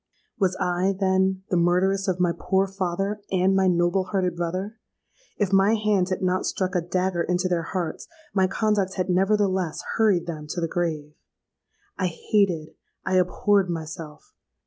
"Was I, then, the murderess of my poor father and my noble hearted brother? If my hand had not struck a dagger into their hearts, my conduct had nevertheless hurried them to the grave. I hated—I abhorred myself.